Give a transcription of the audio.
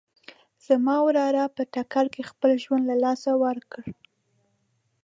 زما وراره په ټکر کې خپل ژوند له لاسه ورکړ